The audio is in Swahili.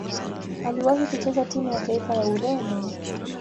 Aliwahi kucheza timu ya taifa ya Ureno.